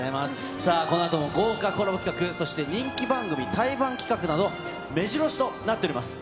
さあ、このあとも豪華コラボ企画、そして人気番組、対バン企画など、めじろ押しとなっております。